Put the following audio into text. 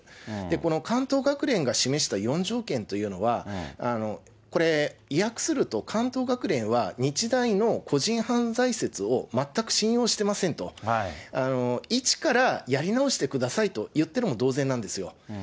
この関東学連が示した４条件というのは、これ、意訳すると、関東学連は日大の個人犯罪説を全く信用してませんと、一からやり直してくださいと言ってるのも同然なんですよ。